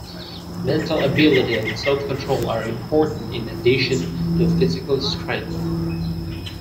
Mental ability and self-control are important in addition to physical strength.